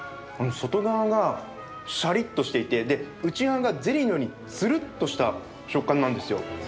外側がシャリっとしていてで、内側がゼリーのようにつるっとした食感なんですよ。